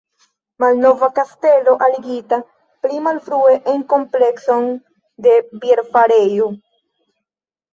Malnova kastelo, aligita pli malfrue en komplekson de bierfarejo.